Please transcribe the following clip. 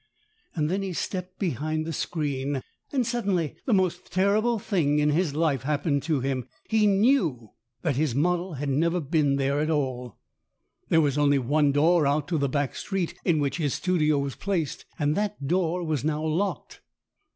Then he stepped behind the screen, and suddenly the most terrible thing in his life happened to him. He knew that his model had never been there at all. There was only one door out to the back street in which his studio was placed, and that door was now locked.